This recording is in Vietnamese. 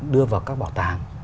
đưa vào các bảo tàng